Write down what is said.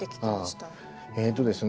えとですね